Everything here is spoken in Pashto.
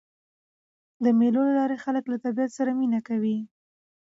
د مېلو له لاري خلک له طبیعت سره مینه کوي.